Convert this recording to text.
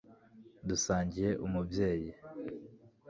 dusangiye umubyeyi